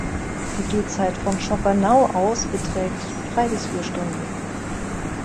Die Gehzeit von Schoppernau aus beträgt drei bis vier Stunden.